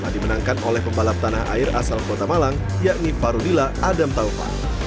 dimenangkan oleh pembalap tanah air asal kota malang yakni farudila adam taufa